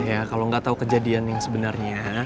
ya kalau gak tau kejadian yang sebenarnya